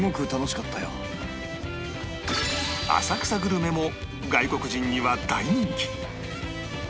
浅草グルメも外国人には大人気